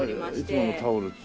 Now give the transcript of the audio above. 「いつものタオル２」。